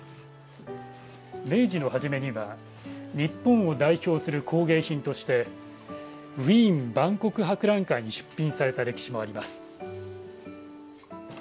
明治の初めには日本を代表する工芸品としてウィーン万国博覧会に出品された歴史もあります。